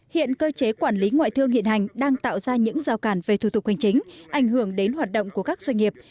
hiện cơ chế quản lý ngoại thương hiện hành đang tạo ra những rào cản về thủ tục hành chính ảnh hưởng đến hoạt động của các doanh nghiệp